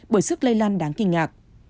bởi sức lây lan đáng kinh ngạc